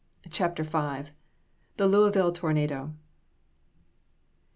CHAPTER V. THE LOUISVILLE TORNADO.